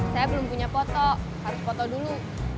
saya belum punya foto harus foto dulu